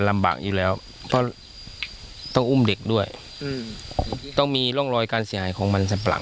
ไม่มีครับ